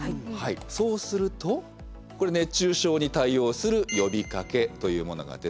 そうするとこれ「熱中症に対応する呼びかけ」というものが出てきます。